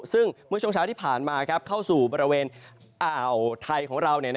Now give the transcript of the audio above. ซึ่งเมื่อช่วงเช้าที่ผ่านมาเข้าสู่บริเวณอ่าวไทยของเรา